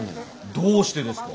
どうしてですか。